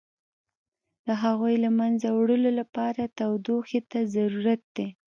د هغوی له منځه وړلو لپاره تودوخې ته ضرورت دی.